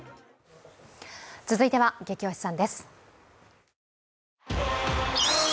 続いては「ゲキ推しさん」です。